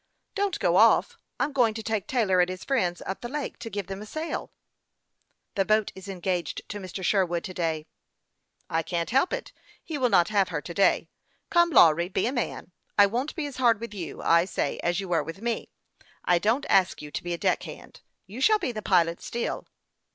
" Don't go off; I'm going to take Taylor and his friends up the lake, to give them a sail." " The boat is engaged to Mr. Sherwood, to day." 220 HASTE AND WASTE, OR " I can't help it ; he will not have her to day. Come, Lawry, be a man. I won't be as hard with you, I say, as you were with me. I don't ask you to be a deck hand. You shall be the pilot still."